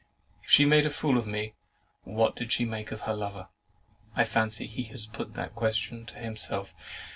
If she made a fool of me, what did she make of her lover? I fancy he has put that question to himself.